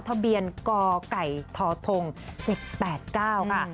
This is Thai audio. ทะเบียนกไก่ทท๗๘๙ค่ะ